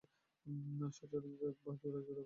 সচরাচর একা বা জোড়ায় জোড়ায় বিচরণ করে।